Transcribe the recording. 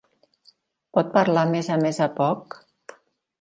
Pot parlar més a més a poc?